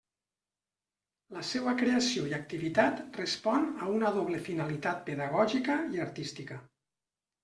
La seua creació i activitat respon a una doble finalitat pedagògica i artística.